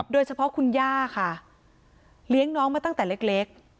โดยเฉพาะคุณย่าค่ะเลี้ยงน้องมาตั้งแต่เล็ก